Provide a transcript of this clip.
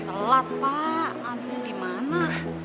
telat pak aduh di mana